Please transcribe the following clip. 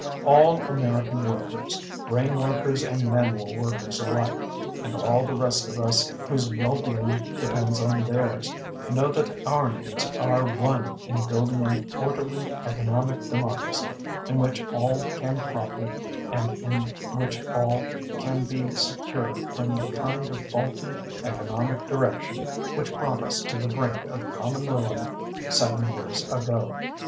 All American workers, brain workers and manual workers alike, and all the rest of us whose well being depends on theirs, know that our needs are one in building an orderly economic democracy in which all can profit and in which all can be secure from the kind of faulty economic direction which brought us to the brink of common ruin seven years ago.